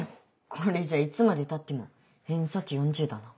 これじゃいつまでたっても偏差値４０